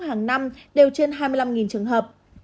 hãy đăng ký kênh để nhận thông tin nhất